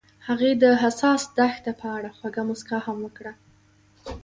هغې د حساس دښته په اړه خوږه موسکا هم وکړه.